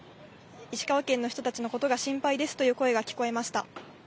石川県の人たちのことが心配ですという声が聞こえました。